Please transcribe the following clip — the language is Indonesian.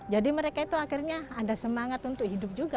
jadi mereka itu akhirnya ada semangat untuk hidup juga